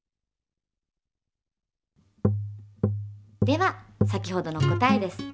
では先ほどの答えです。